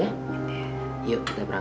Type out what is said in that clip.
apa ya teman padatan